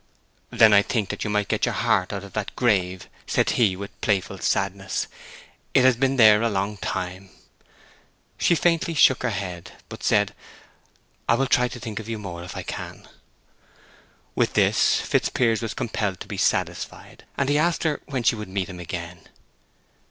"Then I think that you might get your heart out of that grave," said he, with playful sadness. "It has been there a long time." She faintly shook her head, but said, "I'll try to think of you more—if I can." With this Fitzpiers was compelled to be satisfied, and he asked her when she would meet him again.